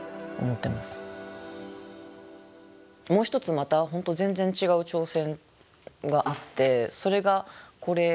もう一つまた本当全然違う挑戦があってそれがこれなんですね。